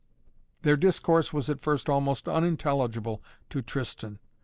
Their discourse was at first almost unintelligible to Tristan.